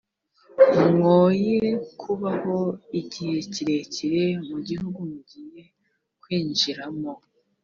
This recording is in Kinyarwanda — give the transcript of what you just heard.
mwoye kubaho igihe kirekire mu gihugu ugiye kwinjiramo